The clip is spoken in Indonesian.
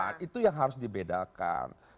nah itu yang harus dibedakan